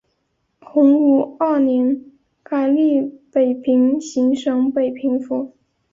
洪武二年改隶北平行省北平府。